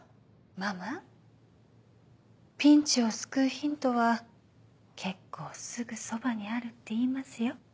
ママピンチを救うヒントは結構すぐそばにあるっていいますよ。